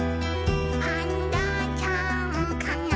「パンダちゃんかな？」